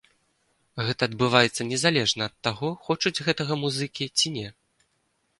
Гэта адбываецца незалежна ад таго хочуць гэтага музыкі ці не.